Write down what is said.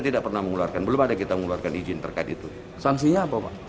tidak pernah mengeluarkan belum ada kita mengeluarkan izin terkait itu sanksinya apa pak